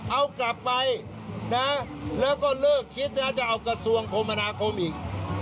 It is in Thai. เอากลับไปนะแล้วก็เลิกคิดนะจะเอากระทรวงคมนาคมอีก